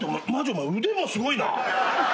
お前腕もすごいな。